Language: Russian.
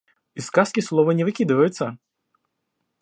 Из сказки слово не выкидывается.